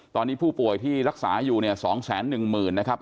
ตอนนี้ผู้ป่วยที่รักษาอยู่เนี่ย๒๑๐๐๐นะครับ